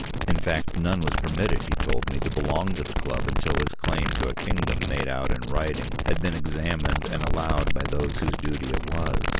In fact none was permitted, he told me, to belong to the club until his claim to a kingdom made out in writing had been examined and allowed by those whose duty it was.